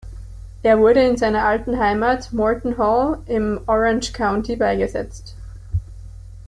Er wurde in seiner alten Heimat "Morton Hall" im Orange County beigesetzt.